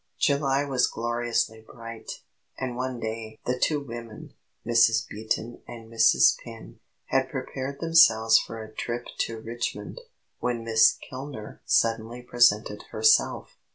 July was gloriously bright, and one day the two women Mrs. Beaton and Mrs. Penn had prepared themselves for a trip to Richmond, when Miss Kilner suddenly presented herself.